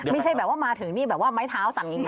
ไม่ใช่แบบว่ามาถึงนี่แบบว่าไม้เท้าสั่น